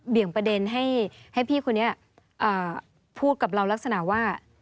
ประเด็นให้พี่คนนี้พูดกับเราลักษณะว่า